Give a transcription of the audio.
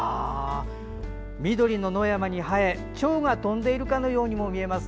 緑の野山に映えチョウが飛んでいるかのようにも見えます。